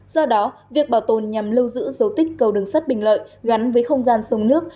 do đó việc bảo tồn nhằm lưu giữ dấu tích cầu đường sắt bình lợi gắn với không gian sông nước